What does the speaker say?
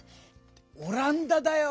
「オランダ」だよ！